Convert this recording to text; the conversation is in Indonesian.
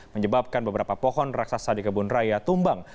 menyebabkan beberapa pohon raksasa di kebun raya tumbang